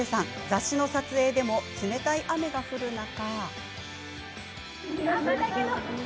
雑誌の撮影でも冷たい雨が降る中。